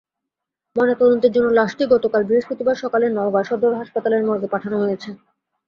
ময়নাতদন্তের জন্য লাশটি গতকাল বৃহস্পতিবার সকালে নওগাঁ সদর হাসপাতালের মর্গে পাঠানো হয়েছে।